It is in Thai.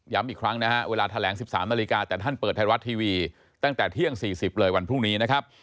ย้ำอีกครั้งวิลาทแถลง๑๓นรกแต่ท่านเปิดไทยรวรรค์ทีวีตั้งแต่เที่ยง๔๐เลยวันพรุ่งนี้